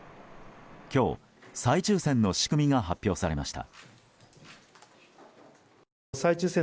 今日、再抽選の仕組みが発表されました。